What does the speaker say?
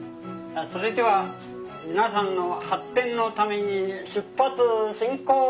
それでは皆さんの発展のために出発進行！